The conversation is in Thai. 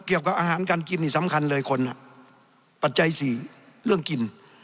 เกี่ยวกับอาหารการกินนี่สำคัญเลยคนอ่ะปัจจัยสี่เรื่องกิน